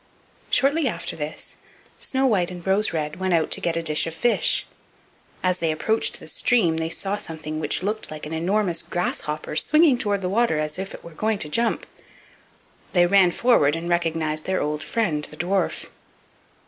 Shortly after this Snow white and Rose red went out to get a dish of fish. As they approached the stream they saw something which looked like an enormous grasshopper springing toward the water as if it were going to jump in. They ran forward and recognized their old friend the dwarf.